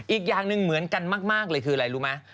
อีกอย่างหนึ่งเหมือนกันมากเลยคืออะไรรู้ไหม